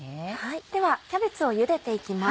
ではキャベツを茹でていきます。